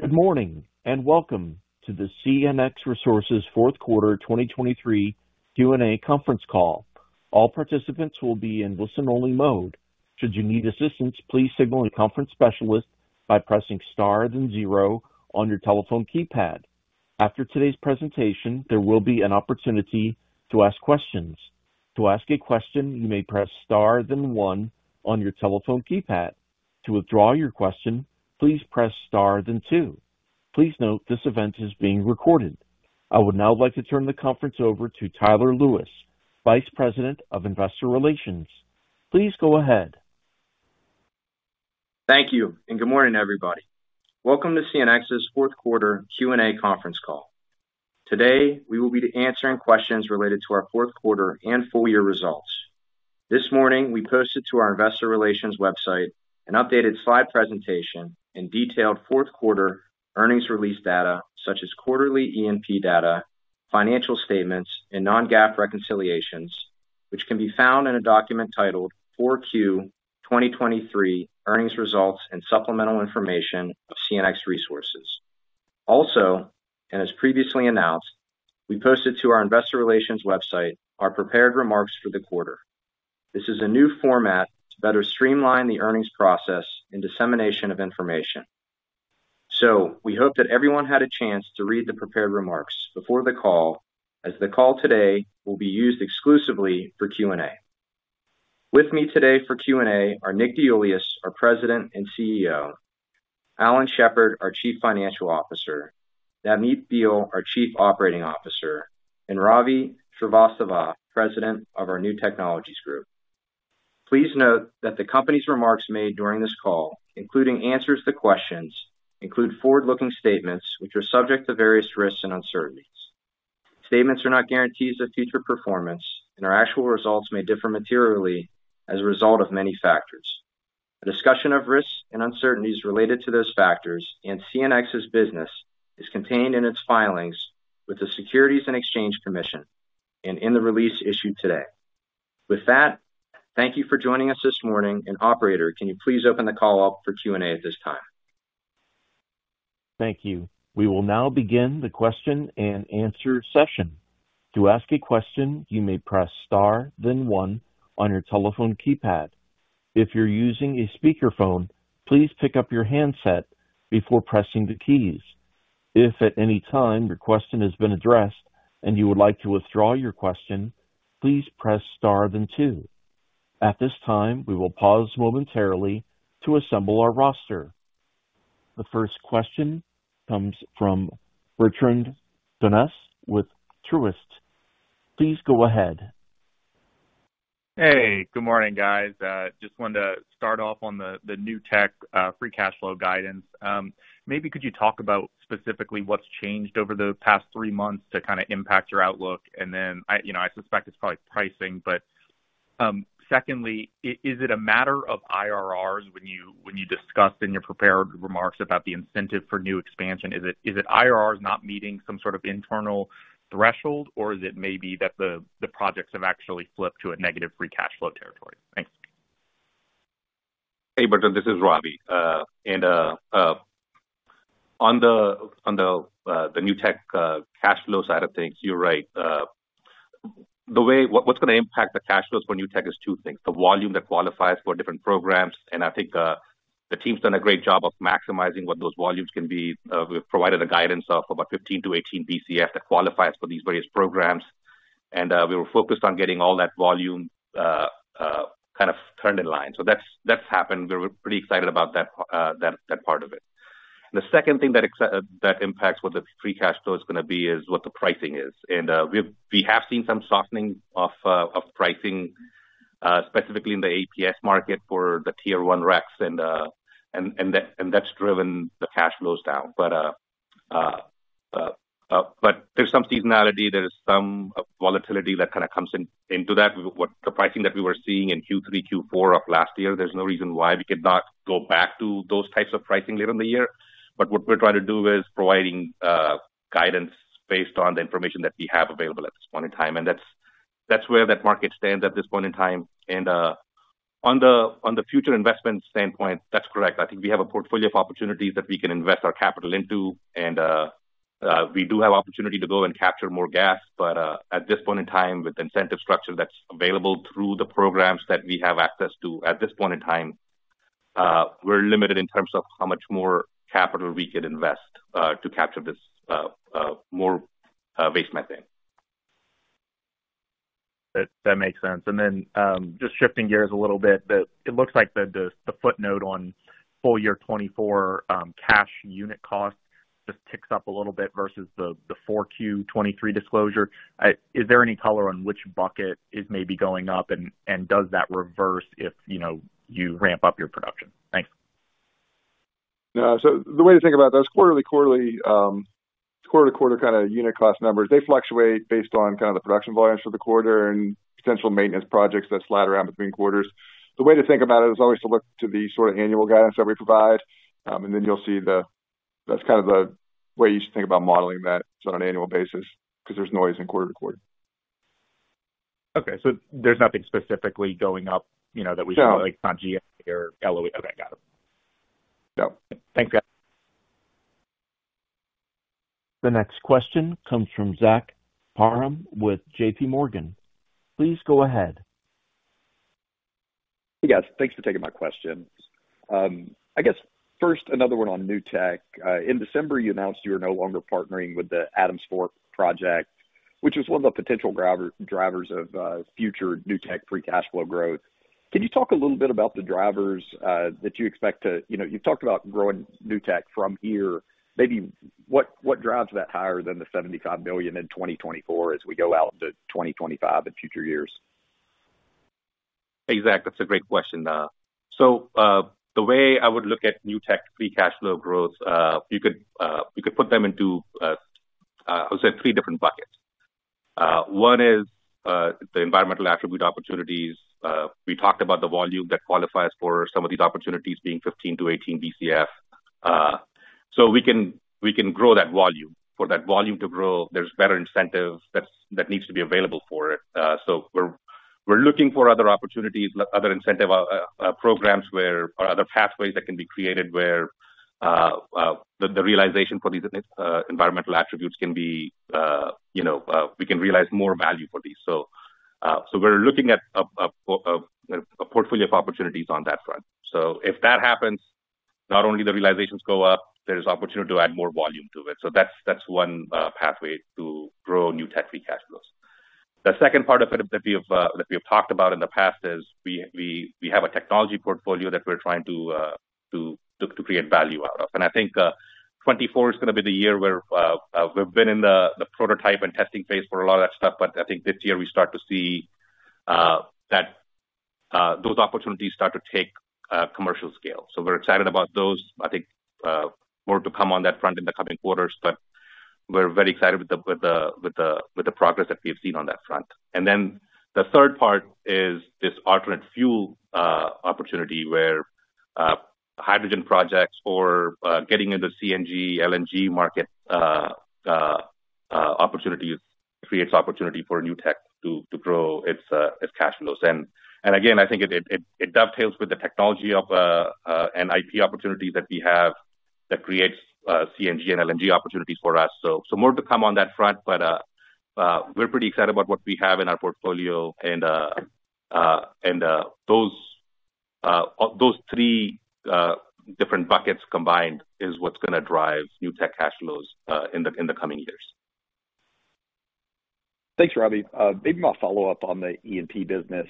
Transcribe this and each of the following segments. Good morning, and welcome to the CNX Resources fourth quarter 2023 Q&A conference call. All participants will be in listen-only mode. Should you need assistance, please signal a conference specialist by pressing star then zero on your telephone keypad. After today's presentation, there will be an opportunity to ask questions. To ask a question, you may press star then one on your telephone keypad. To withdraw your question, please press star then two. Please note, this event is being recorded. I would now like to turn the conference over to Tyler Lewis, Vice President of Investor Relations. Please go ahead. Thank you, and good morning, everybody. Welcome to CNX's fourth quarter Q&A conference call. Today, we will be answering questions related to our fourth quarter and full year results. This morning, we posted to our investor relations website an updated slide presentation and detailed fourth quarter earnings release data, such as quarterly E&P data, financial statements, and non-GAAP reconciliations, which can be found in a document titled: "4Q 2023 Earnings Results and Supplemental Information of CNX Resources." Also, and as previously announced, we posted to our investor relations website our prepared remarks for the quarter. This is a new format to better streamline the earnings process and dissemination of information. So we hope that everyone had a chance to read the prepared remarks before the call, as the call today will be used exclusively for Q&A. With me today for Q&A are Nick DeIuliis, our President and CEO, Alan Shepard, our Chief Financial Officer, Navneet Behl, our Chief Operating Officer, and Ravi Srivastava, President of our New Technologies Group. Please note that the company's remarks made during this call, including answers to questions, include forward-looking statements which are subject to various risks and uncertainties. Statements are not guarantees of future performance, and our actual results may differ materially as a result of many factors. A discussion of risks and uncertainties related to those factors and CNX's business is contained in its filings with the Securities and Exchange Commission and in the release issued today. With that, thank you for joining us this morning, and operator, can you please open the call up for Q&A at this time? Thank you. We will now begin the question and answer session. To ask a question, you may press star then one on your telephone keypad. If you're using a speakerphone, please pick up your handset before pressing the keys. If at any time your question has been addressed and you would like to withdraw your question, please press star then two. At this time, we will pause momentarily to assemble our roster. The first question comes from Bert Donnes with Truist. Please go ahead. Hey, good morning, guys. Just wanted to start off on the New Tech free cash flow guidance. Maybe could you talk about specifically what's changed over the past three months to kind of impact your outlook? And then, I, you know, I suspect it's probably pricing. But, secondly, is it a matter of IRRs when you, when you discussed in your prepared remarks about the incentive for new expansion? Is it, is it IRRs not meeting some sort of internal threshold, or is it maybe that the projects have actually flipped to a negative free cash flow territory? Thanks. Hey, Bert, this is Ravi. On the New Tech cash flow side of things, you're right. What's gonna impact the cash flows for New Tech is two things, the volume that qualifies for different programs, and I think the team's done a great job of maximizing what those volumes can be. We've provided a guidance of about 15-18 BCF that qualifies for these various programs, and we were focused on getting all that volume kind of turned in line. So that's happened. We're pretty excited about that part of it. The second thing that impacts what the free cash flow is gonna be is what the pricing is. And we've... We have seen some softening of pricing, specifically in the APS market for the Tier One RECs, and that's driven the cash flows down. But there's some seasonality, there's some volatility that kind of comes in, into that. What the pricing that we were seeing in Q3, Q4 of last year, there's no reason why we cannot go back to those types of pricing later in the year. But what we're trying to do is providing guidance based on the information that we have available at this point in time, and that's where that market stands at this point in time. And on the future investment standpoint, that's correct. I think we have a portfolio of opportunities that we can invest our capital into, and we do have opportunity to go and capture more gas. But at this point in time, with the incentive structure that's available through the programs that we have access to at this point in time, we're limited in terms of how much more capital we can invest to capture this more base methane. That makes sense. Then, just shifting gears a little bit, but it looks like the footnote on full year 2024 cash unit cost just ticks up a little bit versus the 4Q 2023 disclosure. Is there any color on which bucket is maybe going up, and does that reverse if, you know, you ramp up your production? Thanks. So the way to think about those quarterly quarter-to-quarter kind of unit cost numbers, they fluctuate based on kind of the production volumes for the quarter and potential maintenance projects that slide around between quarters. The way to think about it is always to look to the sort of annual guidance that we provide, and then you'll see the, that's kind of the way you should think about modeling that on an annual basis, because there's noise in quarter to quarter. .Okay, so there's nothing specifically going up, you know, that we saw, like, GP&T or LOE. Okay, got it. No. Thanks, guys. The next question comes from Zach Parham with J.P. Morgan. Please go ahead. Hey, guys. Thanks for taking my question. I guess first, another one on New Tech. In December, you announced you were no longer partnering with the Adams Fork Project, which is one of the potential driver, drivers of future New Tech free cash flow growth. Can you talk a little bit about the drivers that you expect to. You know, you've talked about growing New Tech from here. Maybe what, what drives that higher than the $75 million in 2024 as we go out to 2025 and future years? Hey, Zach, that's a great question. So, the way I would look at New Tech free cash flow growth, you could put them into, I would say three different buckets. One is the environmental attribute opportunities. We talked about the volume that qualifies for some of these opportunities being 15-18 BCF. So we can grow that volume. For that volume to grow, there's better incentive that needs to be available for it. So we're looking for other opportunities, other incentive programs where or other pathways that can be created, where the realization for these environmental attributes can be, you know, we can realize more value for these. So we're looking at a portfolio of opportunities on that front. So if that happens, not only the realizations go up, there is opportunity to add more volume to it. So that's one pathway to grow New Tech free cash flows. The second part of it that we've talked about in the past is we have a technology portfolio that we're trying to create value out of. And I think 2024 is going to be the year where we've been in the prototype and testing phase for a lot of that stuff, but I think this year we start to see that those opportunities start to take commercial scale. So we're excited about those. I think more to come on that front in the coming quarters, but we're very excited with the progress that we have seen on that front. And then the third part is this alternate fuel opportunity, where hydrogen projects or getting into CNG, LNG market opportunities creates opportunity for NewTech to grow its cash flows. And again, I think it dovetails with the technology of an IP opportunity that we have that creates CNG and LNG opportunities for us. So more to come on that front, but we're pretty excited about what we have in our portfolio and those three different buckets combined is what's going to drive New Tech cash flows in the coming years. Thanks, Robbie. Maybe my follow-up on the E&P business.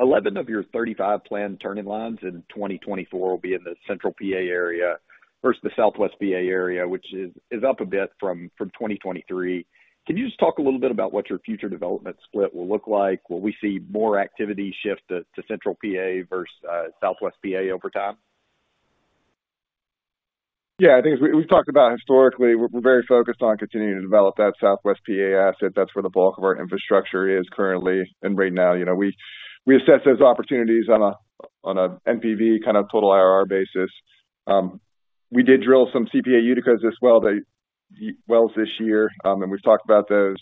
Eleven of your 35 planned turning lines in 2024 will be in the central PA area versus the southwest PA area, which is up a bit from 2023. Can you just talk a little bit about what your future development split will look like? Will we see more activity shift to central PA versus southwest PA over time? Yeah, I think we've talked about historically, we're very focused on continuing to develop that Southwest PA asset. That's where the bulk of our infrastructure is currently. And right now, you know, we assess those opportunities on a NPV kind of total IRR basis. We did drill some CPA Uticas as well, the wells this year. And we've talked about those.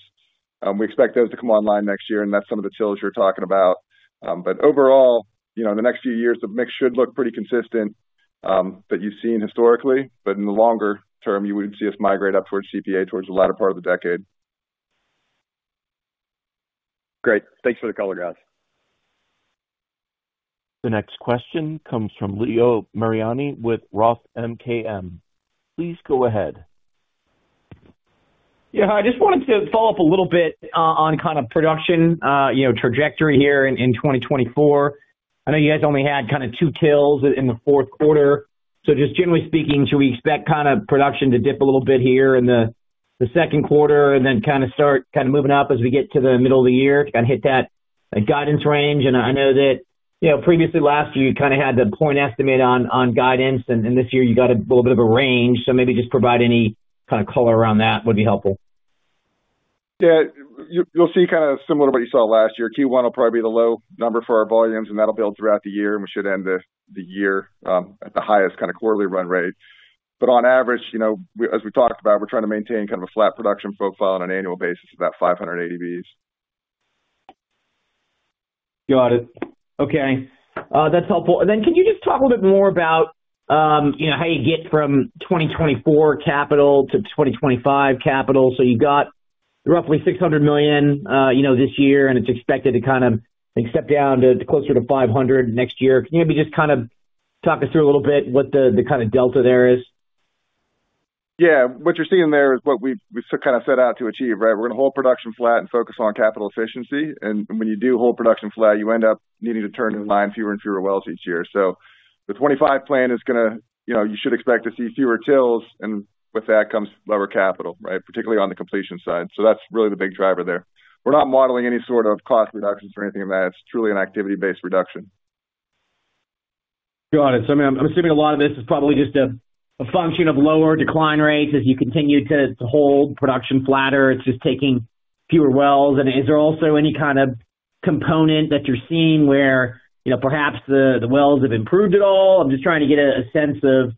We expect those to come online next year, and that's some of the TILs you're talking about. But overall, you know, in the next few years, the mix should look pretty consistent that you've seen historically, but in the longer term, you would see us migrate up towards CPA towards the latter part of the decade. Great. Thanks for the color, guys. The next question comes from Leo Mariani with Roth MKM. Please go ahead. Yeah. Hi, I just wanted to follow up a little bit on kind of production, you know, trajectory here in 2024. I know you guys only had kind of two TILs in the fourth quarter. So just generally speaking, should we expect kind of production to dip a little bit here in the second quarter and then kind of start kind of moving up as we get to the middle of the year to kind of hit that guidance range? And I know that, you know, previously last year, you kind of had the point estimate on guidance, and, and this year you got a little bit of a range. So maybe just provide any kind of color around that would be helpful. Yeah. You, you'll see kind of similar to what you saw last year. Q1 will probably be the low number for our volumes, and that'll build throughout the year, and we should end the year at the highest kind of quarterly run rate. But on average, you know, we, as we talked about, we're trying to maintain kind of a flat production profile on an annual basis, about 580 Bcfe. Got it. Okay, that's helpful. And then, can you just talk a little bit more about, you know, how you get from 2024 capital to 2025 capital? So you got roughly $600 million, you know, this year, and it's expected to kind of step down to closer to $500 million next year. Can you maybe just kind of talk us through a little bit what the, the kind of delta there is? Yeah. What you're seeing there is what we've, we've kind of set out to achieve, right? We're going to hold production flat and focus on capital efficiency. When you do hold production flat, you end up needing to turn-in-line fewer and fewer wells each year. So the 25 plan is going to, you know, you should expect to see fewer TILs, and with that comes lower capital, right? Particularly on the completion side. So that's really the big driver there. We're not modeling any sort of cost reductions or anything like that. It's truly an activity-based reduction. Got it. So I'm assuming a lot of this is probably just a function of lower decline rates as you continue to hold production flatter. It's just taking fewer wells. And is there also any kind of component that you're seeing where, you know, perhaps the wells have improved at all? I'm just trying to get a sense of,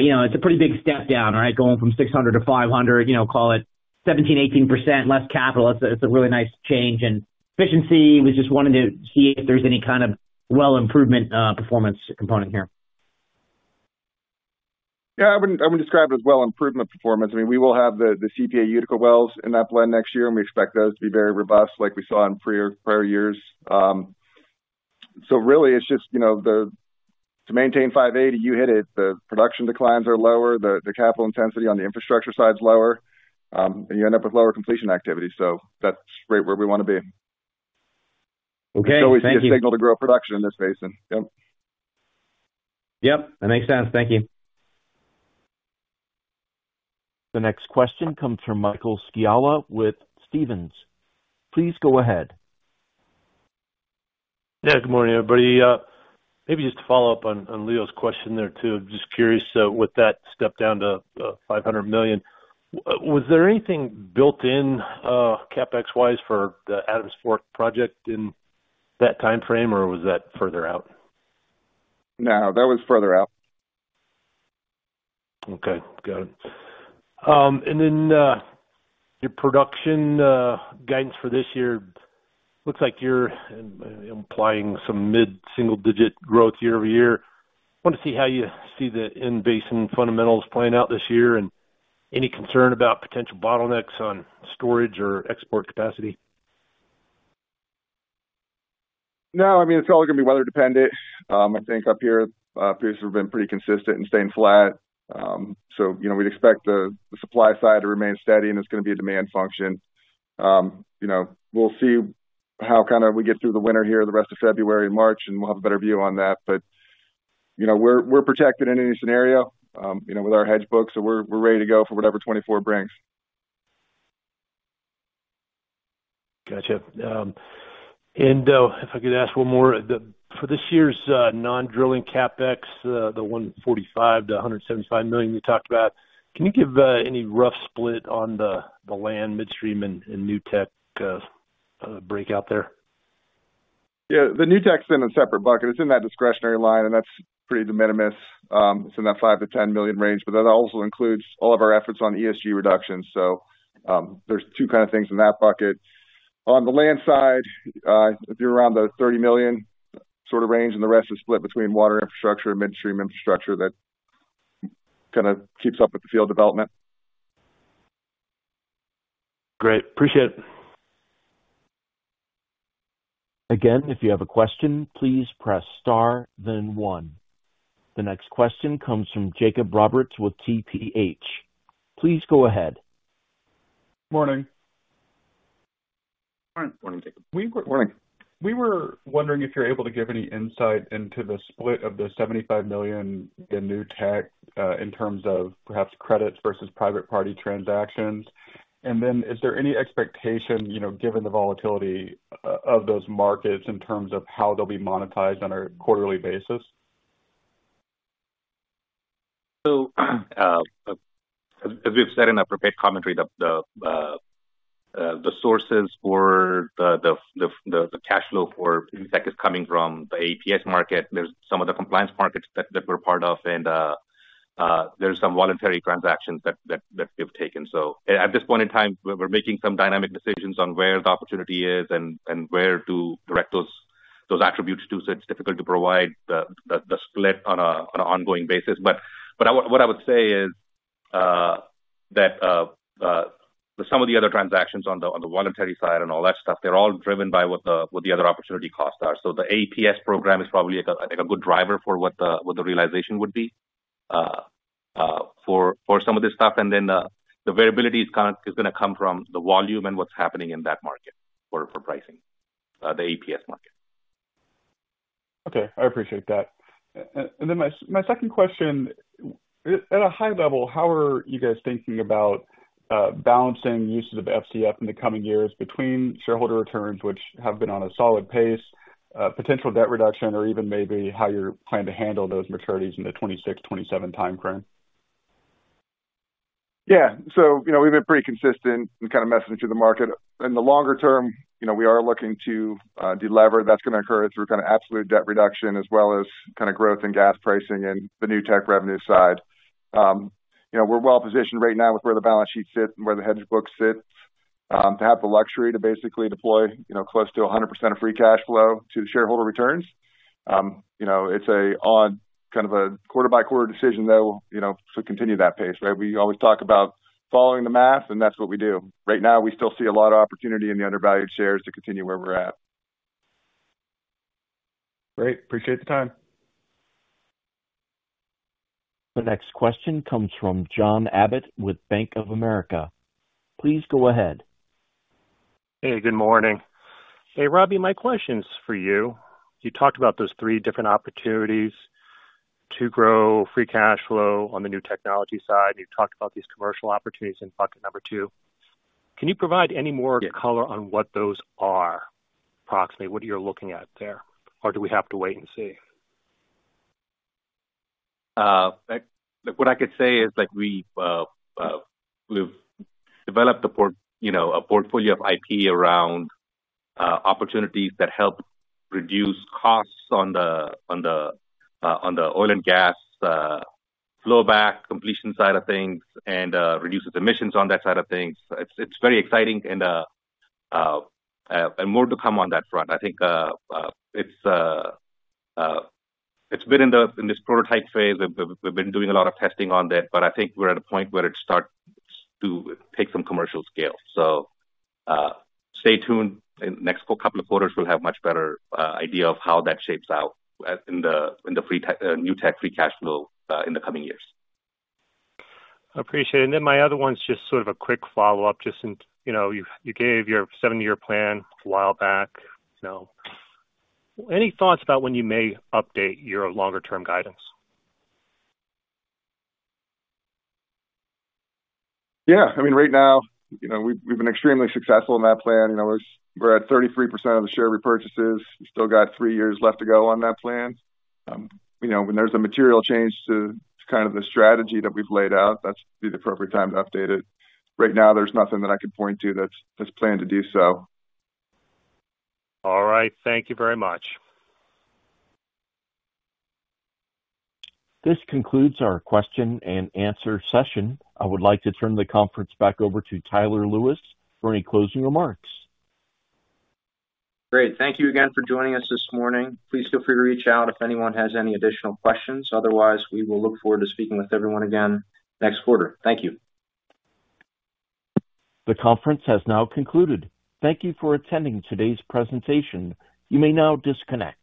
you know, it's a pretty big step down, right? Going from 600 to 500, you know, call it 17%-18% less capital. It's a really nice change in efficiency. We just wanted to see if there's any kind of well improvement, performance component here. Yeah, I wouldn't, I wouldn't describe it as well improvement performance. I mean, we will have the, the CPA Utica wells in that blend next year, and we expect those to be very robust like we saw in prior, prior years. So really it's just, you know, to maintain 580, you hit it. The production declines are lower, the, the capital intensity on the infrastructure side is lower, and you end up with lower completion activity. So that's right where we want to be. Okay, thank you. So we see a signal to grow production in this basin. Yep. Yep, that makes sense. Thank you. The next question comes from Michael Scialla with Stephens. Please go ahead. Yeah, good morning, everybody. Maybe just to follow up on Leo's question there, too. Just curious, with that step down to $500 million, was there anything built in, CapEx-wise for the Adams Fork Project in that timeframe, or was that further out? No, that was further out. Okay, got it. And then, your production guidance for this year looks like you're implying some mid-single-digit growth year-over-year. I want to see how you see the in-basin fundamentals playing out this year, and any concern about potential bottlenecks on storage or export capacity? No, I mean, it's all gonna be weather dependent. I think up here, things have been pretty consistent and staying flat. So, you know, we'd expect the supply side to remain steady and it's gonna be a demand function. You know, we'll see how kind of we get through the winter here, the rest of February and March, and we'll have a better view on that. But, you know, we're protected in any scenario, you know, with our hedge book, so we're ready to go for whatever 2024 brings. Gotcha. If I could ask one more. For this year's non-drilling CapEx, the $145 million-$175 million you talked about, can you give any rough split on the land, midstream, and new tech breakout there? Yeah, the new tech's in a separate bucket. It's in that discretionary line, and that's pretty de minimis. It's in that $5 million-$10 million range, but that also includes all of our efforts on ESG reductions. So, there's two kind of things in that bucket. On the land side, if you're around the $30 million sort of range, and the rest is split between water infrastructure and midstream infrastructure, that kind of keeps up with the field development. Great. Appreciate it. Again, if you have a question, please press star, then one. The next question comes from Jacob Roberts with TPH. Please go ahead. Morning. Morning, Jacob. We. Morning. We were wondering if you're able to give any insight into the split of the $75 million in new tech in terms of perhaps credits versus private party transactions. And then is there any expectation, you know, given the volatility of those markets in terms of how they'll be monetized on a quarterly basis? So, as we've said in our prepared commentary, the sources for the cash flow for impact is coming from the APS market. There's some of the compliance markets that we're part of, and there's some voluntary transactions that we've taken. So at this point in time, we're making some dynamic decisions on where the opportunity is and where to direct those attributes to. So it's difficult to provide the split on an ongoing basis. But what I would say is that some of the other transactions on the voluntary side and all that stuff, they're all driven by what the other opportunity costs are. So the APS program is probably a good driver for what the realization would be for some of this stuff. And then, the variability is kind of gonna come from the volume and what's happening in that market for pricing, the APS market. Okay. I appreciate that. And then my second question: At a high level, how are you guys thinking about balancing uses of FCF in the coming years between shareholder returns, which have been on a solid pace, potential debt reduction, or even maybe how you plan to handle those maturities in the 2026, 2027 time frame? Yeah. So, you know, we've been pretty consistent in kind of messaging to the market. In the longer term, you know, we are looking to delever. That's gonna occur through kind of absolute debt reduction, as well as kind of growth in gas pricing and the new tech revenue side. You know, we're well positioned right now with where the balance sheet sits and where the hedge book sits to have the luxury to basically deploy, you know, close to 100% of free cash flow to shareholder returns. You know, it's a odd, kind of a quarter-by-quarter decision, though, you know, to continue that pace, right? We always talk about following the math, and that's what we do. Right now, we still see a lot of opportunity in the undervalued shares to continue where we're at. Great. Appreciate the time. The next question comes from John Abbott with Bank of America. Please go ahead. Hey, good morning. Hey, Robbie, my question's for you. You talked about those three different opportunities to grow free cash flow on the new technology side. You talked about these commercial opportunities in bucket number two. Can you provide any more color? Yeah On what those are, approximately, what you're looking at there? Or do we have to wait and see? Like, what I could say is, like, we've developed you know, a portfolio of IP around opportunities that help reduce costs on the oil and gas flow back completion side of things and reduces emissions on that side of things. It's very exciting and more to come on that front. I think it's been in this prototype phase. We've been doing a lot of testing on that, but I think we're at a point where it starts to take some commercial scale. So, stay tuned. In the next couple of quarters, we'll have a much better idea of how that shapes out in the NewTech free cash flow in the coming years. Appreciate it. My other one's just sort of a quick follow-up. Just in, you know, you gave your seven-year plan a while back. So any thoughts about when you may update your longer-term guidance? Yeah. I mean, right now, you know, we've been extremely successful in that plan. You know, we're at 33% of the share repurchases. We've still got three years left to go on that plan. You know, when there's a material change to kind of the strategy that we've laid out, that'll be the appropriate time to update it. Right now, there's nothing that I can point to that's planned to do so. All right. Thank you very much. This concludes our question and answer session. I would like to turn the conference back over to Tyler Lewis for any closing remarks. Great. Thank you again for joining us this morning. Please feel free to reach out if anyone has any additional questions. Otherwise, we will look forward to speaking with everyone again next quarter. Thank you. The conference has now concluded. Thank you for attending today's presentation. You may now disconnect.